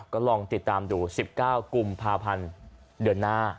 ก็ลองติดตามดู๑๙กุมภาพันธ์เดือนหน้า